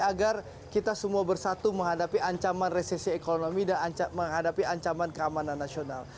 agar kita semua bersatu menghadapi ancaman resesi ekonomi dan menghadapi ancaman keamanan nasional